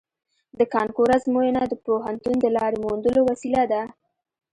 د کانکور ازموینه د پوهنتون د لارې موندلو وسیله ده